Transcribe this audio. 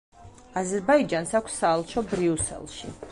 აზერბაიჯანს აქვს საელჩო ბრიუსელში.